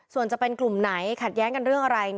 ส่วนจะเป็นกลุ่มไหนขัดแย้งกันเรื่องอะไร